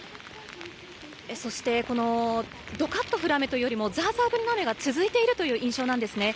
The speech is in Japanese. そしてこのどかっと降る雨というよりもざーざー降りの雨が続いているという印象なんですね。